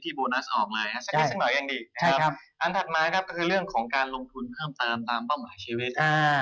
อันถัดมาก็คือเรื่องของการลงทุนเพิ่มเติมตามเป้าหมายชีวิต